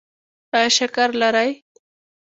ایا شکر لرئ؟